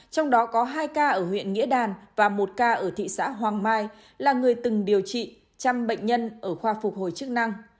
trong đó có hai ca ở huyện nghĩa đàn và một ca ở thị xã hoàng mai là người từng điều trị chăm bệnh nhân ở khoa phục hồi chức năng